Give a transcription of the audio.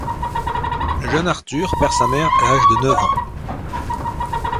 Le jeune Arthur perd sa mère à l'âge de neuf ans.